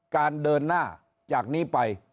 การเดินหน้าจากนี้ไป